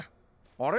あれ？